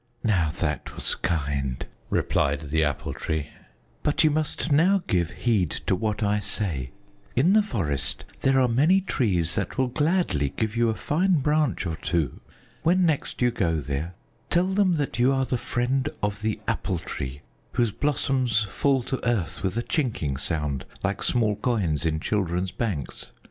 "Now that was kind," replied the Apple Tree, "but you must now give heed to what I say. In the forest there are many trees that will gladly give you a fine branch or two. When next you go there, tell them that you are the friend of the Apple Tree whose blossoms fall to earth with a chinking sound, like small coins in children's banks.